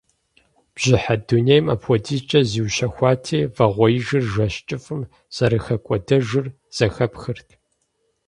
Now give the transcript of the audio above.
Бжьыхьэ дунейм апхуэдизкӏэ зиущэхуати, вагъуэижыр жэщ кӏыфӏым зэрыхэкӏуэдэжыр зэхэпхырт.